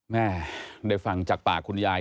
แม่ได้ฟังจากปากคุณยาย